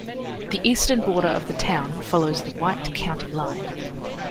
The eastern border of the town follows the White County line.